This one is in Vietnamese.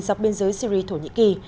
dọc biên giới syri thổ nhĩ kỳ